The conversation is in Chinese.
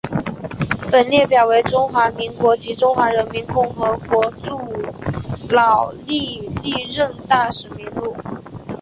本列表为中华民国及中华人民共和国驻老挝历任大使名录。